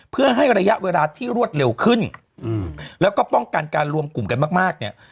เพื่อให้ระยะเวลาที่รวดเร็วขึ้นแล้วก็ป้องกันการรวมกลุ่มกันมากมากเนี่ย